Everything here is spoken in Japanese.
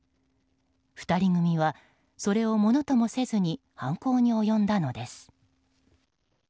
２人組はそれをものともせずに犯行に及んだのです。